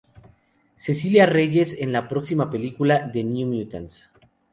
Cecilia Reyes en la próxima película "The New Mutants".